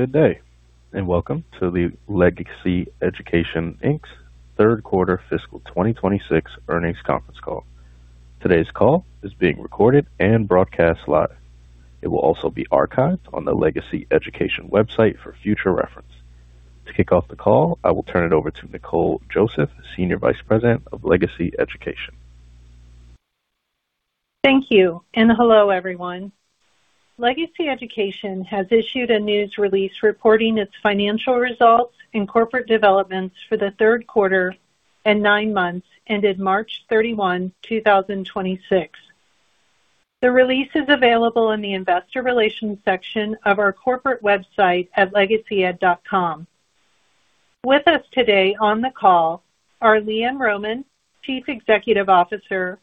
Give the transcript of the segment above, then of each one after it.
Good day, and welcome to the Legacy Education Inc.'s third quarter fiscal 2026 earnings conference call. Today's call is being recorded and broadcast live. It will also be archived on the Legacy Education website for future reference. To kick off the call, I will turn it over to Nicole Joseph, Senior Vice President of Legacy Education. Thank you and hello, everyone. Legacy Education has issued a news release reporting its financial results and corporate developments for the third quarter and nine months ended March 31, 2026. The release is available in the investor relations section of our corporate website at legacyed.com. With us today on the call are LeeAnn Rohmann, Chief Executive Officer,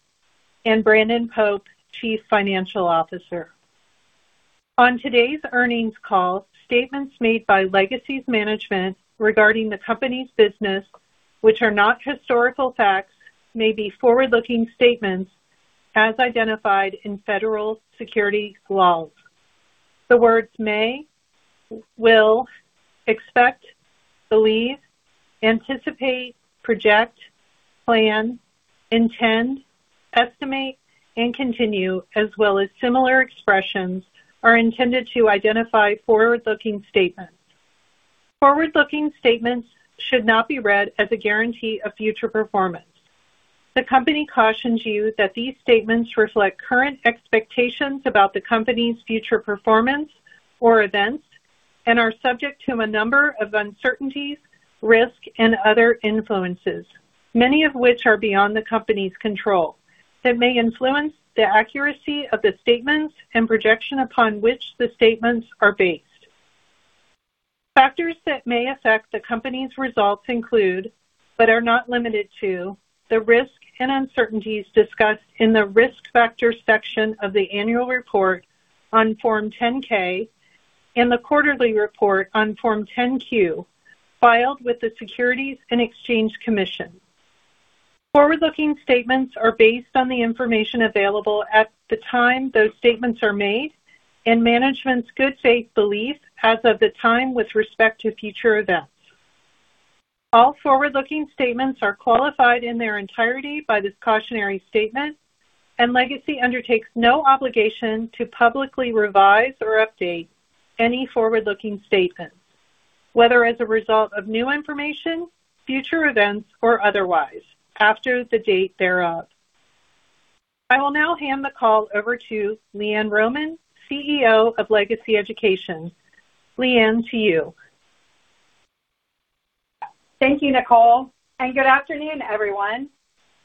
and Brandon Pope, Chief Financial Officer. On today's earnings call, statements made by Legacy's management regarding the company's business, which are not historical facts, may be forward-looking statements as identified in federal security laws. The words may, will, expect, believe, anticipate, project, plan, intend, estimate, and continue, as well as similar expressions, are intended to identify forward-looking statements. Forward-looking statements should not be read as a guarantee of future performance. The company cautions you that these statements reflect current expectations about the company's future performance or events and are subject to a number of uncertainties, risks, and other influences, many of which are beyond the company's control, that may influence the accuracy of the statements and projections upon which the statements are based. Factors that may affect the company's results include, but are not limited to, the risks and uncertainties discussed in the Risk Factors section of the annual report on Form 10-K and the quarterly report on Form 10-Q filed with the Securities and Exchange Commission. Forward-looking statements are based on the information available at the time those statements are made and management's good faith belief as of the time with respect to future events. All forward-looking statements are qualified in their entirety by this cautionary statement, and Legacy undertakes no obligation to publicly revise or update any forward-looking statements, whether as a result of new information, future events, or otherwise, after the date thereof. I will now hand the call over to LeeAnn Rohmann, CEO of Legacy Education. LeeAnn, to you. Thank you, Nicole, and good afternoon, everyone.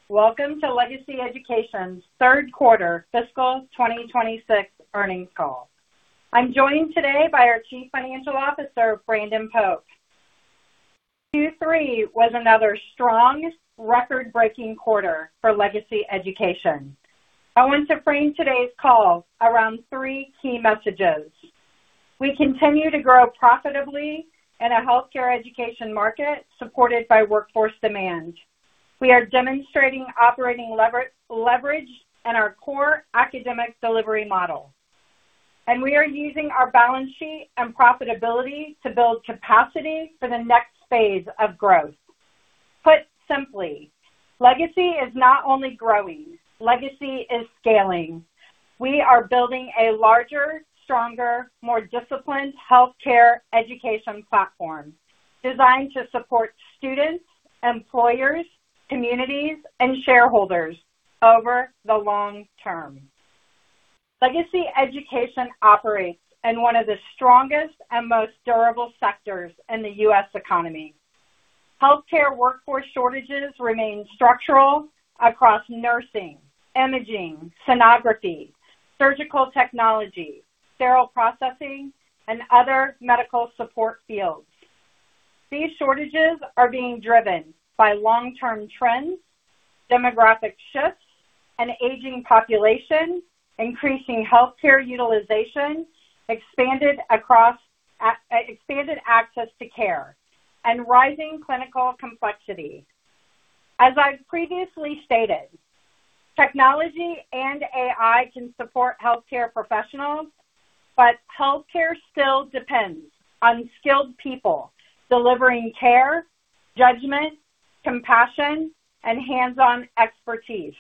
Welcome to Legacy Education's third quarter fiscal 2026 earnings call. I'm joined today by our Chief Financial Officer, Brandon Pope. Q3 was another strong record-breaking quarter for Legacy Education. I want to frame today's call around three key messages. We continue to grow profitably in a healthcare education market supported by workforce demand. We are demonstrating operating leverage in our core academic delivery model. We are using our balance sheet and profitability to build capacity for the next phase of growth. Put simply, Legacy is not only growing, Legacy is scaling. We are building a larger, stronger, more disciplined healthcare education platform designed to support students, employers, communities, and shareholders over the long term. Legacy Education operates in one of the strongest and most durable sectors in the U.S. economy. Healthcare workforce shortages remain structural across nursing, imaging, sonography, surgical technology, sterile processing, and other medical support fields. These shortages are being driven by long-term trends, demographic shifts, an aging population, increasing healthcare utilization, expanded access to care, and rising clinical complexity. As I've previously stated, technology and AI can support healthcare professionals, but healthcare still depends on skilled people delivering care, judgment, compassion, and hands-on expertise.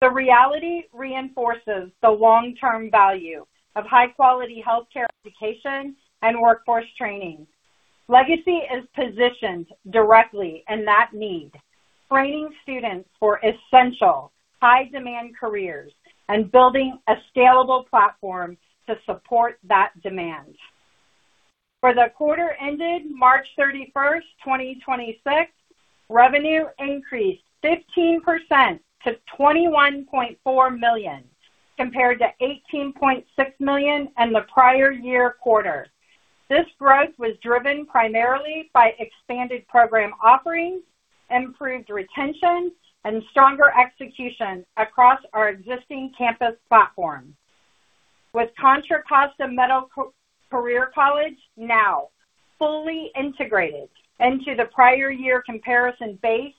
The reality reinforces the long-term value of high-quality healthcare education and workforce training. Legacy is positioned directly in that need, training students for essential high-demand careers and building a scalable platform to support that demand. For the quarter ended March 31st, 2026, revenue increased 15% to $21.4 million, compared to $18.6 million in the prior year quarter. This growth was driven primarily by expanded program offerings, improved retention, and stronger execution across our existing campus platform. With Contra Costa Medical Career College now fully integrated into the prior year comparison base,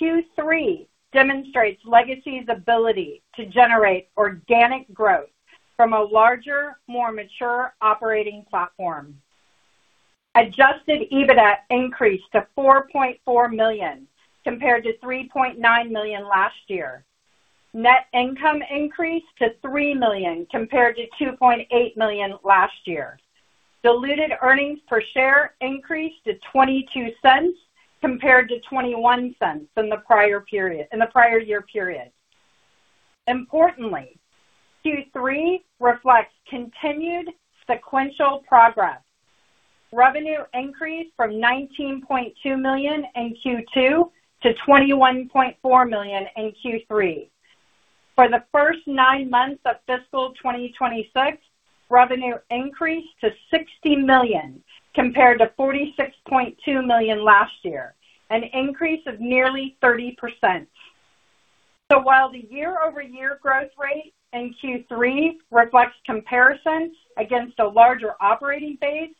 Q3 demonstrates Legacy's ability to generate organic growth from a larger, more mature operating platform. Adjusted EBITDA increased to $4.4 million compared to $3.9 million last year. Net income increased to $3 million compared to $2.8 million last year. Diluted earnings per share increased to $0.22 compared to $0.21 in the prior year period. Importantly, Q3 reflects continued sequential progress. Revenue increased from $19.2 million in Q2 to $21.4 million in Q3. For the first nine months of fiscal 2026, revenue increased to $60 million compared to $46.2 million last year, an increase of nearly 30%. While the year-over-year growth rate in Q3 reflects comparisons against a larger operating base,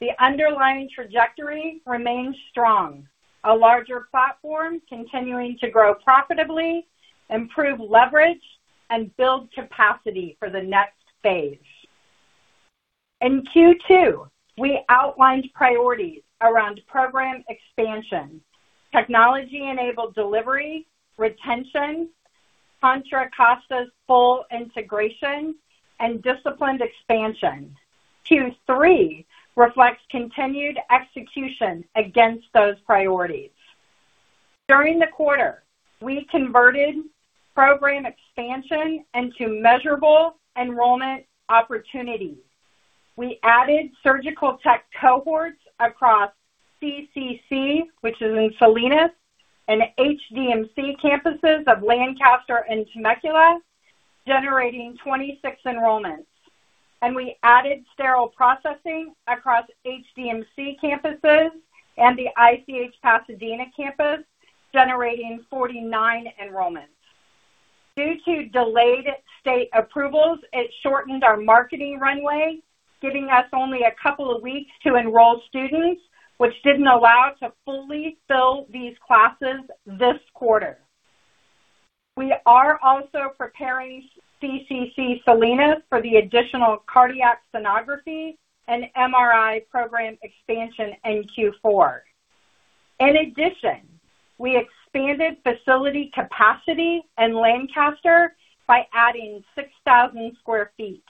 the underlying trajectory remains strong. A larger platform continuing to grow profitably, improve leverage, and build capacity for the next phase. In Q2, we outlined priorities around program expansion, technology-enabled delivery, retention, Contra Costa's full integration, and disciplined expansion. Q3 reflects continued execution against those priorities. During the quarter, we converted program expansion into measurable enrollment opportunities. We added surgical tech cohorts across CCC, which is in Salinas, and HDMC campuses of Lancaster and Temecula, generating 26 enrollments. We added sterile processing across HDMC campuses and the ICH Pasadena campus, generating 49 enrollments. Due to delayed state approvals, it shortened our marketing runway, giving us only a couple of weeks to enroll students, which didn't allow to fully fill these classes this quarter. We are also preparing CCC Salinas for the additional cardiac sonography and MRI program expansion in Q4. We expanded facility capacity in Lancaster by adding 6,000 sq ft.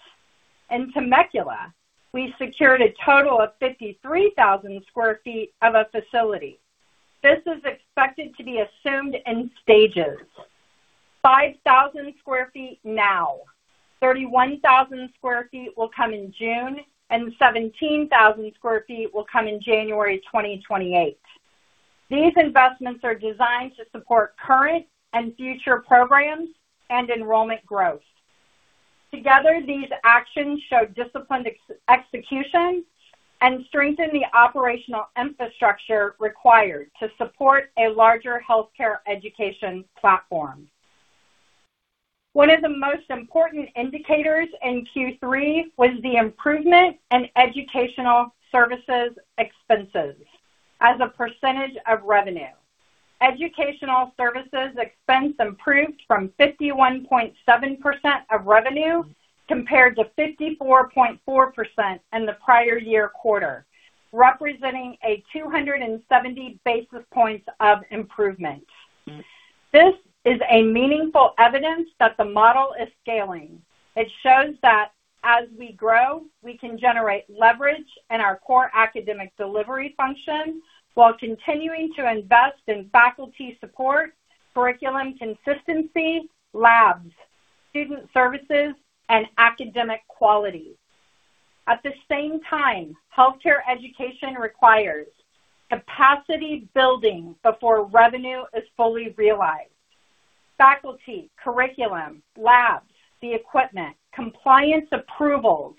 In Temecula, we secured a total of 53,000 sq ft of a facility. This is expected to be assumed in stages. 5,000 sq ft now, 31,000 sq ft will come in June, and 17,000 sq ft will come in January 2028. These investments are designed to support current and future programs and enrollment growth. Together, these actions show disciplined execution and strengthen the operational infrastructure required to support a larger healthcare education platform. One of the most important indicators in Q3 was the improvement in educational services expenses as a percentage of revenue. Educational services expense improved from 51.7% of revenue compared to 54.4% in the prior year quarter, representing a 270 basis points of improvement. This is a meaningful evidence that the model is scaling. It shows that as we grow, we can generate leverage in our core academic delivery functions while continuing to invest in faculty support, curriculum consistency, labs, student services, and academic quality. At the same time, healthcare education requires capacity building before revenue is fully realized. Faculty, curriculum, labs, the equipment, compliance approvals,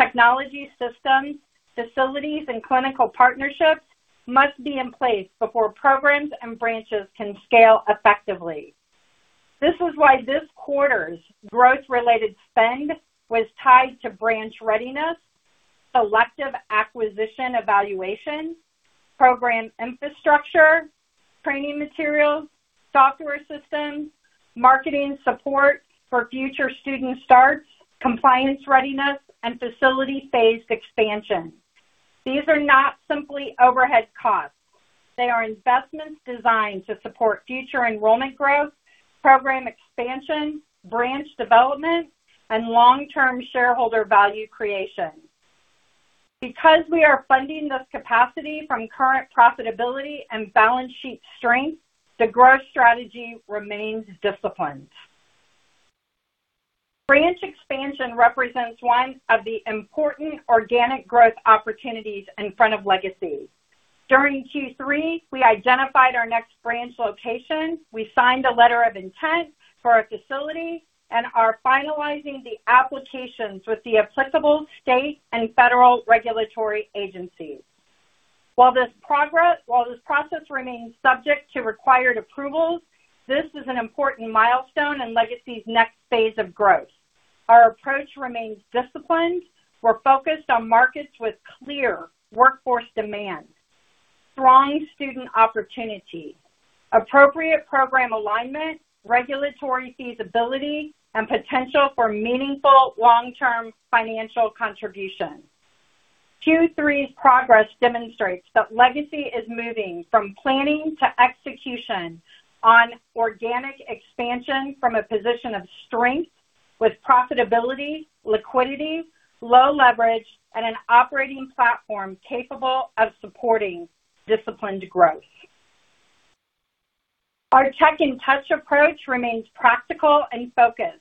technology systems, facilities, and clinical partnerships must be in place before programs and branches can scale effectively. This is why this quarter's growth-related spend was tied to branch readiness, selective acquisition evaluation, program infrastructure, training materials, software systems, marketing support for future student starts, compliance readiness, and facility phased expansion. These are not simply overhead costs. They are investments designed to support future enrollment growth, program expansion, branch development, and long-term shareholder value creation. Because we are funding this capacity from current profitability and balance sheet strength, the growth strategy remains disciplined. Branch expansion represents one of the important organic growth opportunities in front of Legacy. During Q3, we identified our next branch location. We signed a letter of intent for a facility and are finalizing the applications with the applicable state and federal regulatory agencies. While this process remains subject to required approvals, this is an important milestone in Legacy's next phase of growth. Our approach remains disciplined. We're focused on markets with clear workforce demand, strong student opportunity, appropriate program alignment, regulatory feasibility, and potential for meaningful long-term financial contribution. Q3's progress demonstrates that Legacy is moving from planning to execution on organic expansion from a position of strength with profitability, liquidity, low leverage, and an operating platform capable of supporting disciplined growth. Our tech and touch approach remains practical and focused.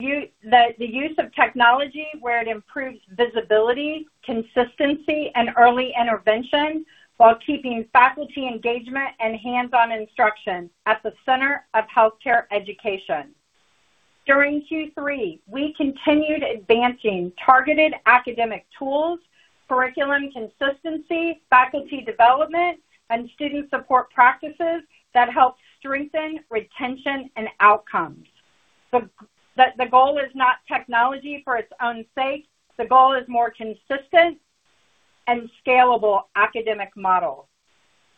The use of technology where it improves visibility, consistency, and early intervention while keeping faculty engagement and hands-on instruction at the center of healthcare education. During Q3, we continued advancing targeted academic tools, curriculum consistency, faculty development, and student support practices that help strengthen retention and outcomes. The goal is not technology for its own sake. The goal is more consistent and scalable academic models.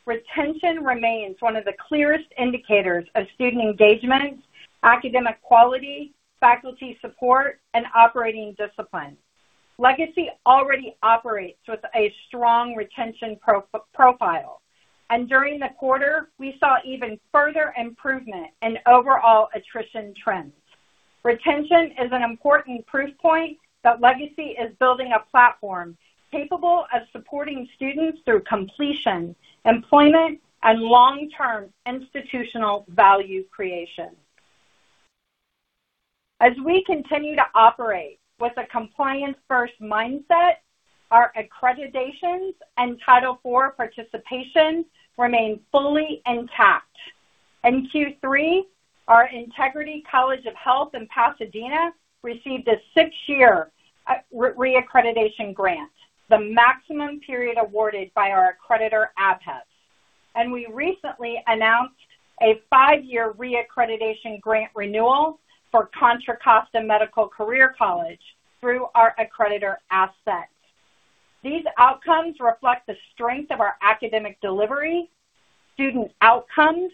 Retention remains one of the clearest indicators of student engagement, academic quality, faculty support, and operating discipline. Legacy already operates with a strong retention profile, and during the quarter, we saw even further improvement in overall attrition trends. Retention is an important proof point that Legacy is building a platform capable of supporting students through completion, employment, and long-term institutional value creation. As we continue to operate with a compliance-first mindset, our accreditations and Title IV participation remain fully intact. In Q3, our Integrity College of Health in Pasadena received a six-year reaccreditation grant, the maximum period awarded by our accreditor, ABHES. We recently announced a five-year reaccreditation grant renewal for Contra Costa Medical Career College through our accreditor, ACCET. These outcomes reflect the strength of our academic delivery, student outcomes,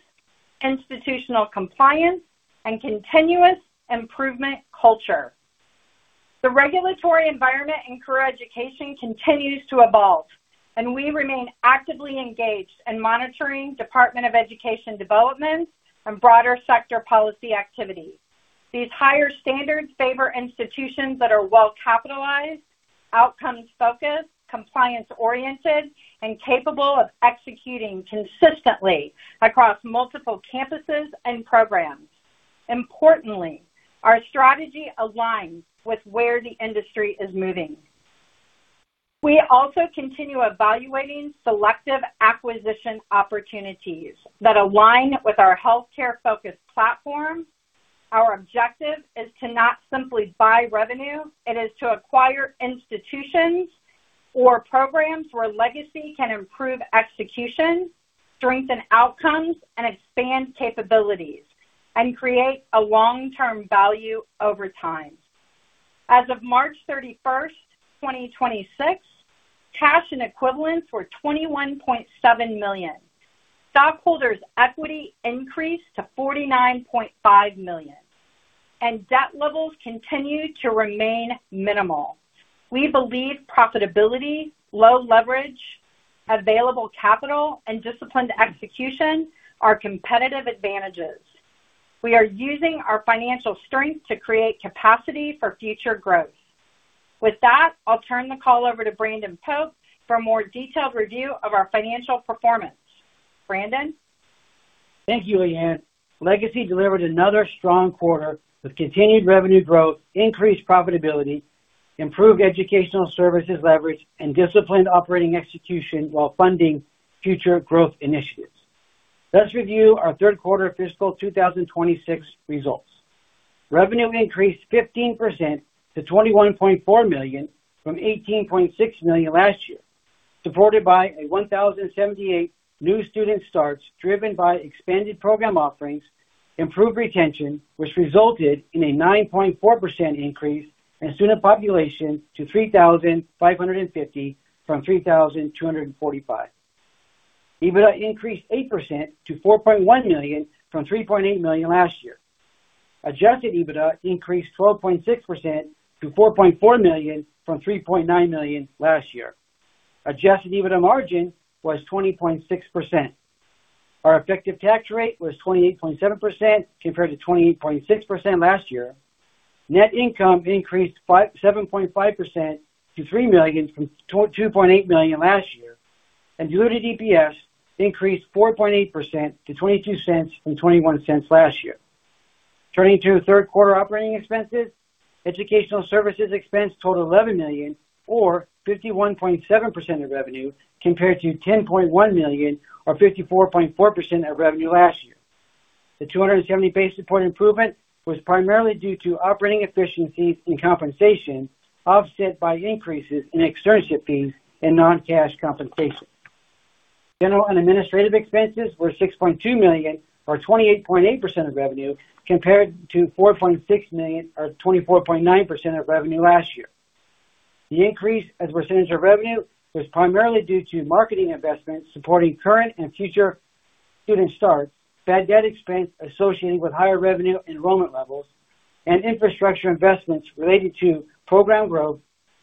institutional compliance, and continuous improvement culture. The regulatory environment in career education continues to evolve, and we remain actively engaged in monitoring Department of Education developments and broader sector policy activities. These higher standards favor institutions that are well-capitalized, outcomes-focused, compliance-oriented, and capable of executing consistently across multiple campuses and programs. Importantly, our strategy aligns with where the industry is moving. We also continue evaluating selective acquisition opportunities that align with our healthcare-focused platform. Our objective is to not simply buy revenue, it is to acquire institutions or programs where Legacy can improve execution, strengthen outcomes, expand capabilities, and create a long-term value over time. As of March 31st, 2026, cash and equivalents were $21.7 million. Stockholders' equity increased to $49.5 million, and debt levels continue to remain minimal. We believe profitability, low leverage, available capital, and disciplined execution are competitive advantages. We are using our financial strength to create capacity for future growth. With that, I'll turn the call over to Brandon Pope for a more detailed review of our financial performance. Brandon? Thank you, LeeAnn. Legacy delivered another strong quarter with continued revenue growth, increased profitability, improved educational services leverage, and disciplined operating execution while funding future growth initiatives. Let's review our third quarter fiscal 2026 results. Revenue increased 15% to $21.4 million from $18.6 million last year, supported by a 1,078 new student starts driven by expanded program offerings, improved retention, which resulted in a 9.4% increase in student population to 3,550 from 3,245. EBITDA increased 8% to $4.1 million from $3.8 million last year. Adjusted EBITDA increased 12.6% to $4.4 million from $3.9 million last year. Adjusted EBITDA margin was 20.6%. Our effective tax rate was 28.7% compared to 28.6% last year. Net income increased 7.5% to $3 million from $2.8 million last year. Diluted EPS increased 4.8% to $0.22 from $0.21 last year. Turning to third quarter operating expenses, educational services expense totaled $11 million or 51.7% of revenue compared to $10.1 million or 54.4% of revenue last year. The 270 basis point improvement was primarily due to operating efficiencies and compensation, offset by increases in externship fees and non-cash compensation. General and administrative expenses were $6.2 million or 28.8% of revenue compared to $4.6 million or 24.9% of revenue last year. The increase as a percentage of revenue was primarily due to marketing investments supporting current and future student starts, bad debt expense associated with higher revenue enrollment levels, and infrastructure investments related to program growth,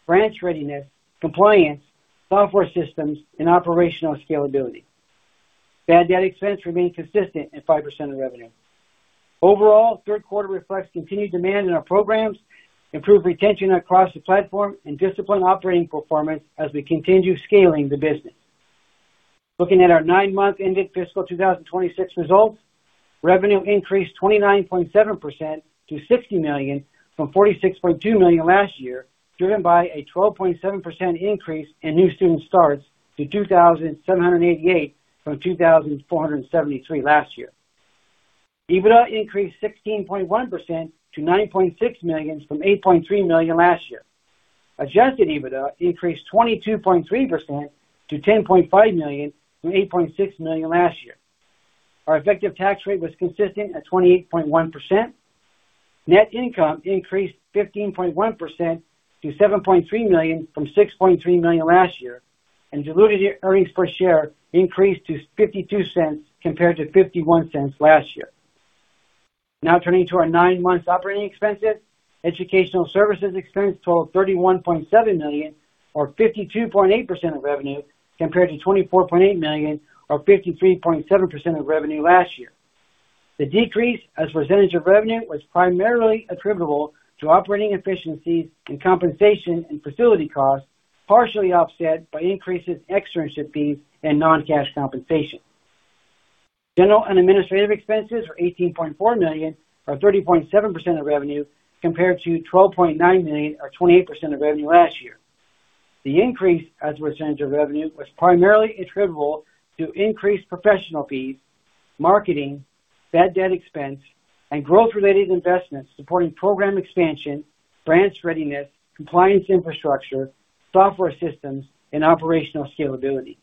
branch readiness, compliance, software systems, and operational scalability. Bad debt expense remained consistent at 5% of revenue. Overall, third quarter reflects continued demand in our programs, improved retention across the platform, and disciplined operating performance as we continue scaling the business. Looking at our nine-month ended fiscal 2026 results, revenue increased 29.7% to $60 million from $46.2 million last year, driven by a 12.7% increase in new student starts to 2,788 from 2,473 last year. EBITDA increased 16.1% to $9.6 million from $8.3 million last year. Adjusted EBITDA increased 22.3% to $10.5 million from $8.6 million last year. Our effective tax rate was consistent at 28.1%. Net income increased 15.1% to $7.3 million from $6.3 million last year, and diluted earnings per share increased to $0.52 compared to $0.51 last year. Now turning to our nine months operating expenses. Educational services expense totaled $31.7 million or 52.8% of revenue compared to $24.8 million or 53.7% of revenue last year. The decrease as a percentage of revenue was primarily attributable to operating efficiencies and compensation and facility costs, partially offset by increases externship fees and non-cash compensation. General and administrative expenses are $18.4 million or 30.7% of revenue compared to $12.9 million or 28% of revenue last year. The increase as a percentage of revenue was primarily attributable to increased professional fees, marketing, bad debt expense, and growth-related investments supporting program expansion, branch readiness, compliance infrastructure, software systems, and operational scalability.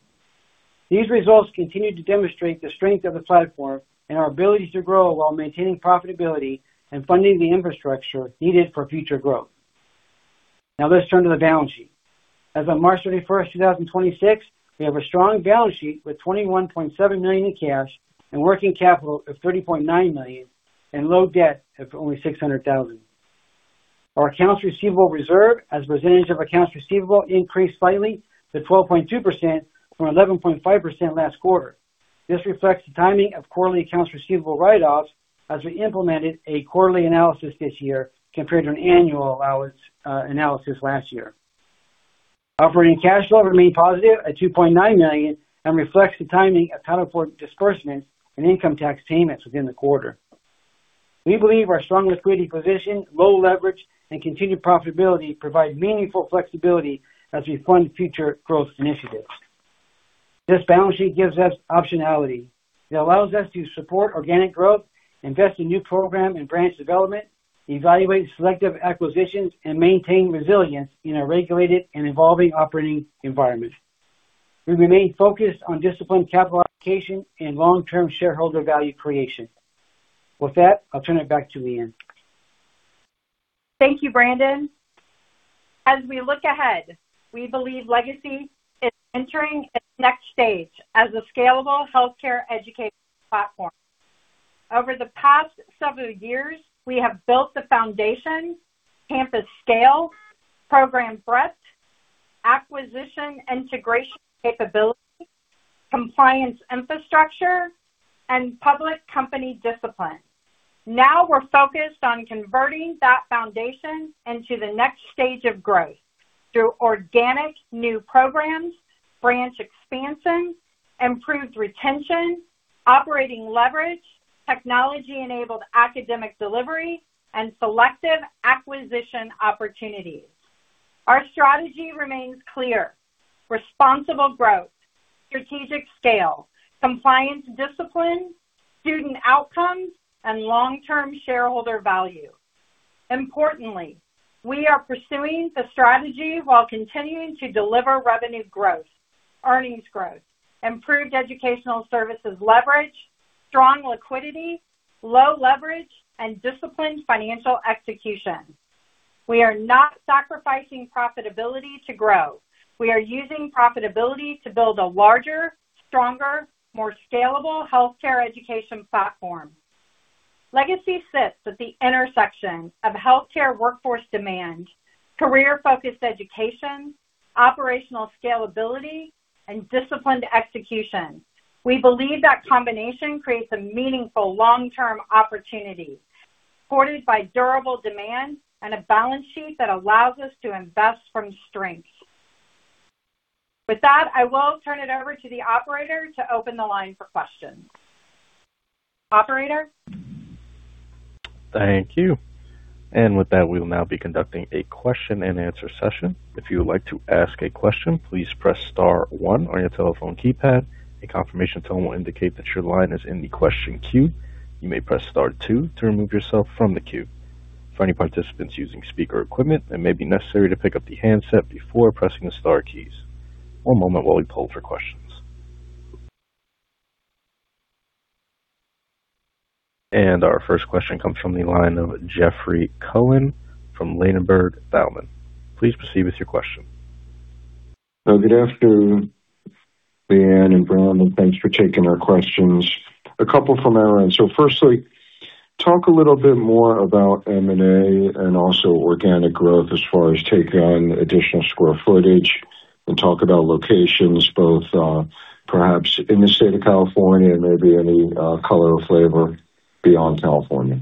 These results continue to demonstrate the strength of the platform and our ability to grow while maintaining profitability and funding the infrastructure needed for future growth. Let's turn to the balance sheet. As of March 31st, 2026, we have a strong balance sheet with $21.7 million in cash and working capital of $30.9 million and low debt of only $600,000. Our accounts receivable reserve as a percentage of accounts receivable increased slightly to 12.2% from 11.5% last quarter. This reflects the timing of quarterly accounts receivable write-offs as we implemented a quarterly analysis this year compared to an annual allowance analysis last year. Operating cash flow remained positive at $2.9 million and reflects the timing of Title Four disbursement and income tax payments within the quarter. We believe our strong liquidity position, low leverage, and continued profitability provide meaningful flexibility as we fund future growth initiatives. This balance sheet gives us optionality. It allows us to support organic growth, invest in new program and branch development, evaluate selective acquisitions, and maintain resilience in a regulated and evolving operating environment. We remain focused on disciplined capital allocation and long-term shareholder value creation. With that, I'll turn it back to LeeAnn. Thank you, Brandon. As we look ahead, we believe Legacy is entering its next stage as a scalable healthcare education platform. Over the past several years, we have built the foundation, campus scale, program breadth, acquisition integration capability, compliance infrastructure, and public company discipline. Now we're focused on converting that foundation into the next stage of growth through organic new programs, branch expansion, improved retention, operating leverage, technology-enabled academic delivery, and selective acquisition opportunities. Our strategy remains clear: responsible growth, strategic scale, compliance discipline, student outcomes, and long-term shareholder value. Importantly, we are pursuing the strategy while continuing to deliver revenue growth, earnings growth, improved educational services leverage, strong liquidity, low leverage, and disciplined financial execution. We are not sacrificing profitability to grow. We are using profitability to build a larger, stronger, more scalable healthcare education platform. Legacy sits at the intersection of healthcare workforce demand, career-focused education, operational scalability, and disciplined execution. We believe that combination creates a meaningful long-term opportunity supported by durable demand and a balance sheet that allows us to invest from strength. With that, I will turn it over to the operator to open the line for questions. Operator? Thank you. With that, we will now be conducting a question-and-answer session. If you would like to ask a question, please press star one on your telephone keypad. A confirmation tone will indicate that your line is in the question queue. You may press star two to remove yourself from the queue. For any participants using speaker equipment, it may be necessary to pick up the handset before pressing the star keys. One moment while we poll for questions. Our first question comes from the line of Jeffrey Cohen from Ladenburg Thalmann. Please proceed with your question. Good afternoon, LeeAnn and Brandon. Thanks for taking our questions. A couple from our end. Firstly, talk a little bit more about M&A and also organic growth as far as taking on additional square footage. Talk about locations both, perhaps in the state of California and maybe any, color or flavor beyond California.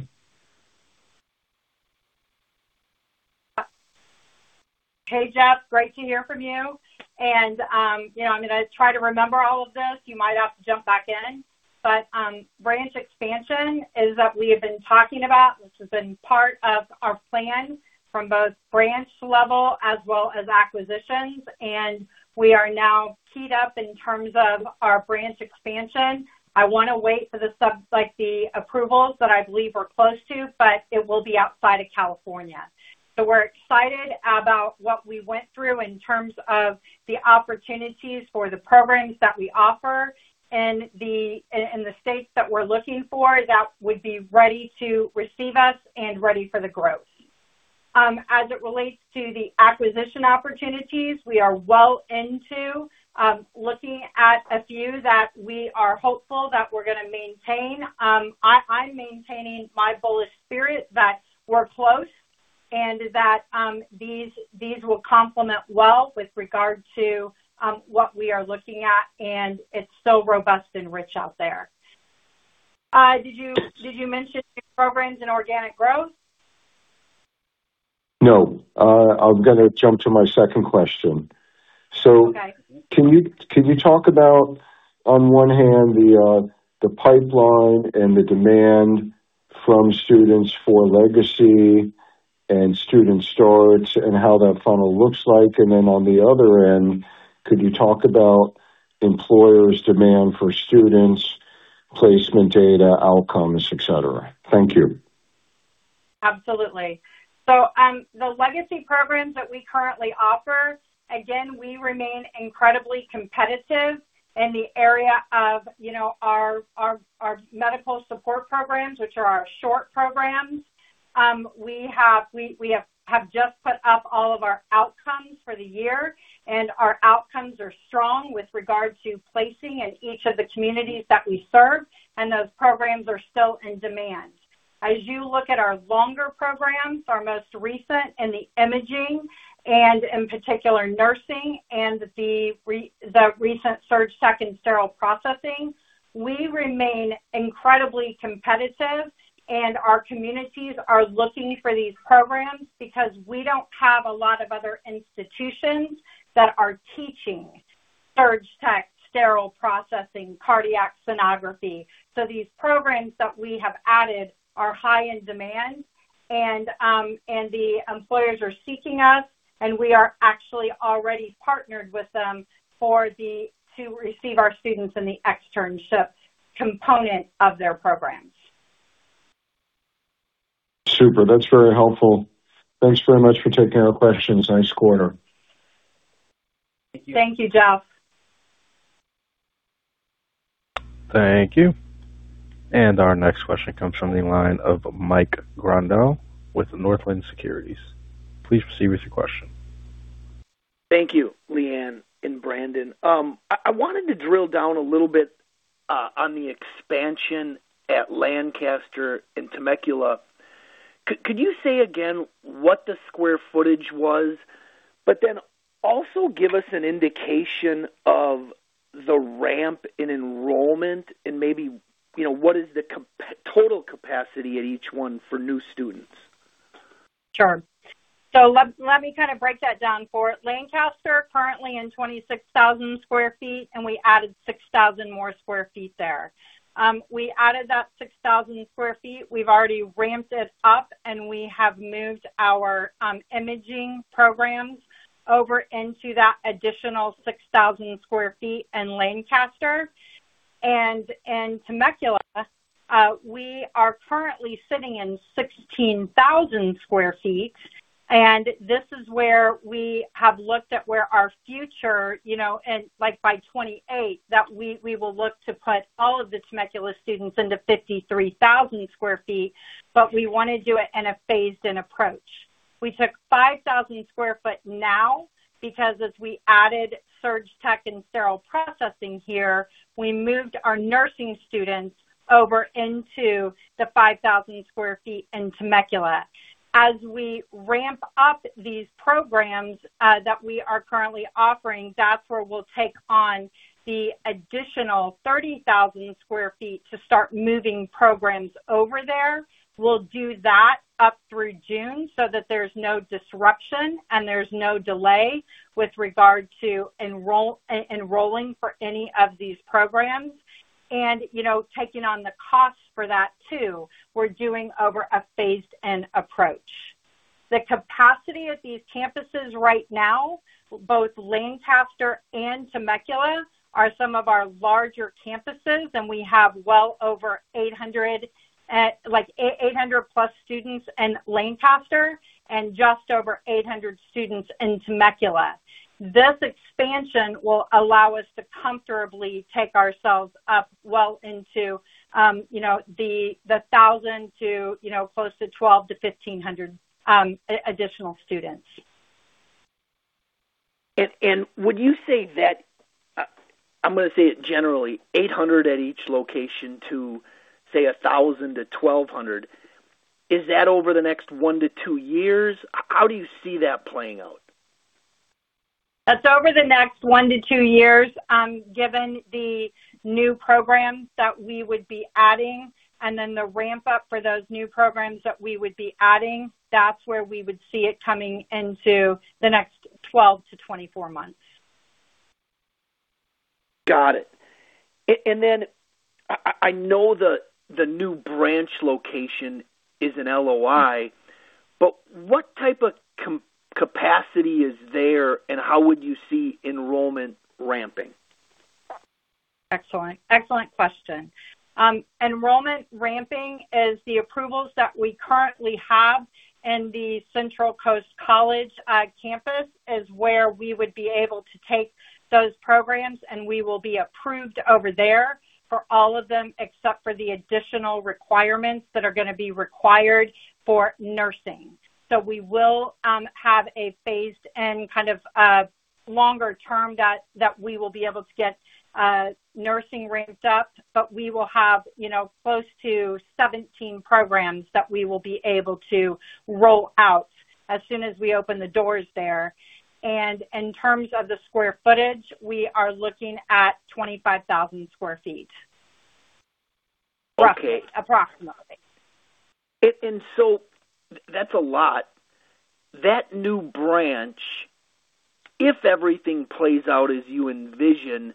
Hey, Jeff, great to hear from you. You know, I'm gonna try to remember all of this. You might have to jump back in, branch expansion is that we have been talking about, which has been part of our plan from both branch level as well as acquisitions. We are now teed up in terms of our branch expansion. I wanna wait for the approvals that I believe we're close to, it will be outside of California. We're excited about what we went through in terms of the opportunities for the programs that we offer in the states that we're looking for that would be ready to receive us and ready for the growth. As it relates to the acquisition opportunities, we are well into looking at a few that we are hopeful that we're gonna maintain. I'm maintaining my bullish spirit that we're close and that these will complement well with regard to what we are looking at, and it's so robust and rich out there. Did you mention the programs in organic growth? No. I was gonna jump to my second question. Okay. Can you talk about, on one hand, the pipeline and the demand from students for Legacy and student starts and how that funnel looks like? On the other end, could you talk about employers' demand for students, placement data, outcomes, et cetera? Thank you. Absolutely. The Legacy programs that we currently offer, again, we remain incredibly competitive in the area of, you know, our, our medical support programs, which are our short programs. We have just put up all of our outcomes for the year, and our outcomes are strong with regard to placing in each of the communities that we serve, and those programs are still in demand. As you look at our longer programs, our most recent in the imaging and in particular nursing and the recent Surg Tech and Sterile Processing, we remain incredibly competitive. Our communities are looking for these programs because we don't have a lot of other institutions that are teaching Surg Tech, Sterile Processing, Cardiac Sonography. These programs that we have added are high in demand and the employers are seeking us, and we are actually already partnered with them to receive our students in the externship component of their programs. Super. That's very helpful. Thanks very much for taking our questions. Nice quarter. Thank you, Jeff. Thank you. Our next question comes from the line of Mike Grondahl with Northland Securities. Please proceed with your question. Thank you, LeeAnn and Brandon. I wanted to drill down a little bit on the expansion at Lancaster and Temecula. Could you say again what the square footage was, but then also give us an indication of the ramp in enrollment and maybe, you know, what is the total capacity at each one for new students? Sure. Let me break that down for it. Lancaster, currently in 26,000 sq ft, and we added 6,000 more sq ft there. We added that 6,000 sq ft. We've already ramped it up, and we have moved our imaging programs over into that additional 6,000 sq ft in Lancaster. Temecula, we are currently sitting in 16,000 sq ft, and this is where we have looked at where our future, you know, by 2028, that we will look to put all of the Temecula students into 53,000 sq ft, but we wanna do it in a phased-in approach. We took 5,000 sq ft now because as we added Surg Tech and Sterile Processing here, we moved our nursing students over into the 5,000 sq ft in Temecula. As we ramp up these programs, that we are currently offering, that's where we'll take on the additional 30,000 sq ft to start moving programs over there. We'll do that up through June so that there's no disruption and there's no delay with regard to enrolling for any of these programs. You know, taking on the cost for that too, we're doing over a phased-in approach. The capacity of these campuses right now, both Lancaster and Temecula, are some of our larger campuses, and we have well over 800+ students in Lancaster and just over 800 students in Temecula. This expansion will allow us to comfortably take ourselves up well into, you know, the 1,000 to, you know, close to 1,200-1,500 additional students. Would you say that, I'm gonna say it generally, 800 at each location to say 1,000 - 1,200, is that over the next one to two years? How do you see that playing out? That's over the next one to two years, given the new programs that we would be adding and then the ramp up for those new programs that we would be adding, that's where we would see it coming into the next 12-24 months. Got it. Then I know the new branch location is an LOI. What type of capacity is there and how would you see enrollment ramping? Excellent. Excellent question. Enrollment ramping is the approvals that we currently have in the Central Coast College campus, is where we would be able to take those programs, and we will be approved over there for all of them except for the additional requirements that are gonna be required for nursing. We will have a phased and kind of longer term that we will be able to get nursing ramped up. We will have, you know, close to 17 programs that we will be able to roll out as soon as we open the doors there. In terms of the square footage, we are looking at 25,000 sq ft. Okay. Approximately. That's a lot. That new branch, if everything plays out as you envision,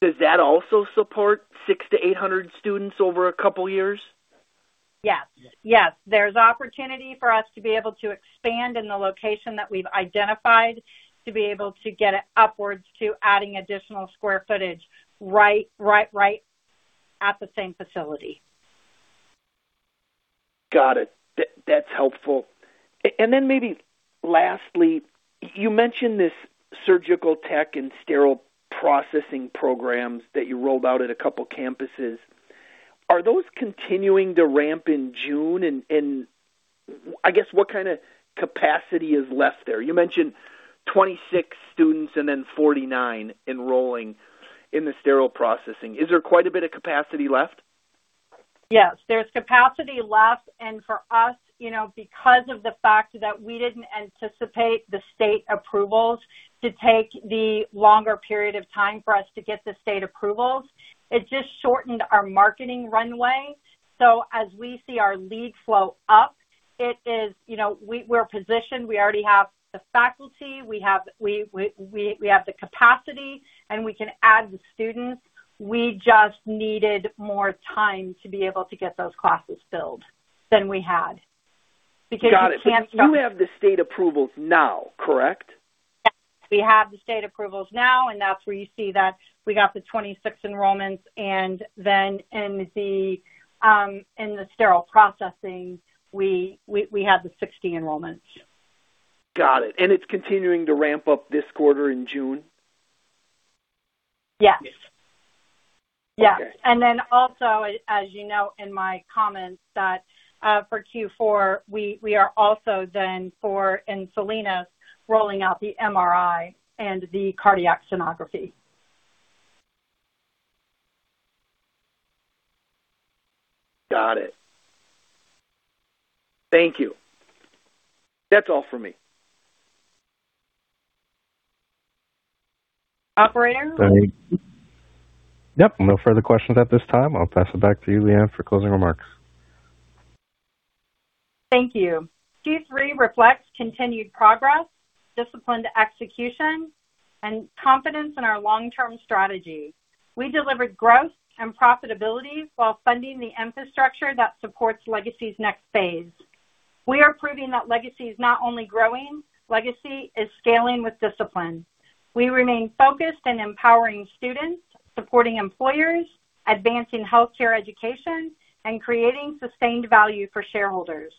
does that also support 600-800 students over a couple years? Yes. Yes. There's opportunity for us to be able to expand in the location that we've identified, to be able to get it upwards to adding additional square footage right at the same facility. Got it. That's helpful. Then maybe lastly, you mentioned this Surgical Tech and Sterile Processing programs that you rolled out at a couple campuses. Are those continuing to ramp in June? I guess, what kind of capacity is left there? You mentioned 26 students and then 49 enrolling in the sterile processing. Is there quite a bit of capacity left? Yes, there's capacity left. For us, you know, because of the fact that we didn't anticipate the state approvals to take the longer period of time for us to get the state approvals, it just shortened our marketing runway. As we see our leads flow up, you know, we're positioned. We already have the faculty. We have the capacity, and we can add the students. We just needed more time to be able to get those classes filled than we had. You can't start, Got it. You have the state approvals now, correct? Yes. We have the state approvals now, and that's where you see that we got the 26 enrollments and then in the in the sterile processing, we have the 60 enrollments. Got it. It's continuing to ramp up this quarter in June? Yes. Yes. Okay. Also, as you know in my comments that, for Q4, we are also then for, in Salinas, rolling out the MRI and the cardiac sonography. Got it. Thank you. That's all for me. Operator? Yep. No further questions at this time. I'll pass it back to you, LeeAnn, for closing remarks. Thank you. Q3 reflects continued progress, disciplined execution, and confidence in our long-term strategy. We delivered growth and profitability while funding the infrastructure that supports Legacy's next phase. We are proving that Legacy is not only growing, Legacy is scaling with discipline. We remain focused in empowering students, supporting employers, advancing healthcare education, and creating sustained value for shareholders.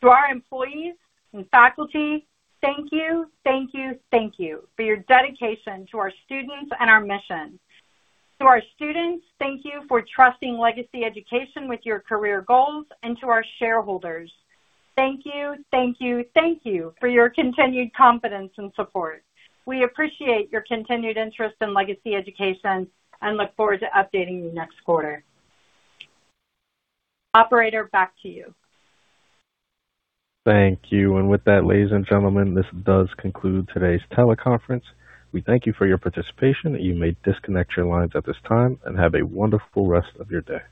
To our employees and faculty, thank you, thank you, thank you for your dedication to our students and our mission. To our students, thank you for trusting Legacy Education with your career goals. To our shareholders, thank you, thank you, thank you for your continued confidence and support. We appreciate your continued interest in Legacy Education and look forward to updating you next quarter. Operator, back to you. Thank you. With that, ladies and gentlemen, this does conclude today's teleconference. We thank you for your participation. You may disconnect your lines at this time, and have a wonderful rest of your day.